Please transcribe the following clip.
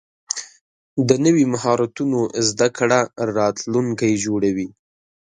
د نوي مهارتونو زده کړه راتلونکی جوړوي.